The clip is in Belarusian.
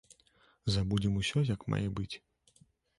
Забудуем усё як мае быць.